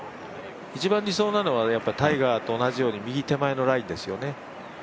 一番理想なのはタイガーと同じように右手前のラインですよね。